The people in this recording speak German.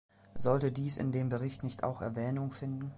Sollte dies in dem Bericht nicht auch Erwähnung finden?